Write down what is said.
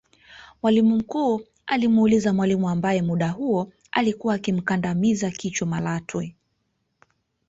Mwalimu mkuu alimuuliza mwalimu ambaye muda huo alikuwa akimkandamiza kichwa Malatwe